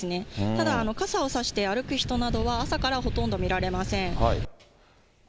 ただ、傘を差して歩く人などは朝からほとんど見られません。